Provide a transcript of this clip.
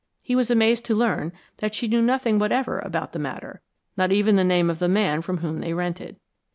He was amazed to learn that she knew nothing whatever about the matter, not even the name of the man from whom they rented.